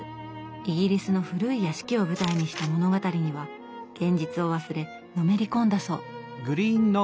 イギリスの古い屋敷を舞台にした物語には現実を忘れのめり込んだそう。